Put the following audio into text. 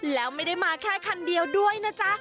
แล้วไม่ได้มาแค่คันเดียวด้วยนะจ๊ะ